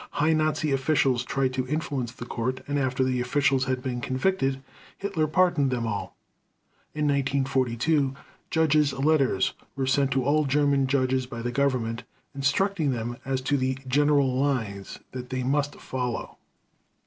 High Nazi officials tried to influence the Court, and after the officials had been convicted, Hitler pardoned them all. In 1942 "judges' letters" were sent to all German judges by the Government, instructing them as to the "general lines" that they must follow.